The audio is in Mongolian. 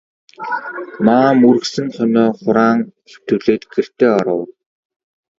Маам үргэсэн хонио хураан хэвтүүлээд гэртээ оров.